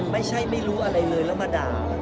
ไม่ใช่ไม่รู้อะไรเลยแล้วมาด่า